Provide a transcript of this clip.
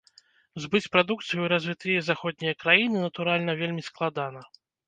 Збыць прадукцыю ў развітыя заходнія краіны, натуральна, вельмі складана.